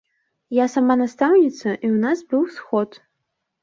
Я сама настаўніца, і ў нас быў сход.